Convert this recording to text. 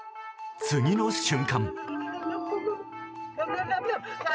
次の瞬間。